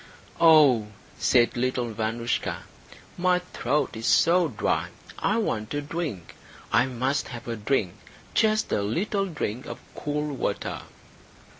"Oh," said little Vanoushka, "my throat is so dry. I want a drink. I must have a drink just a little drink of cool water."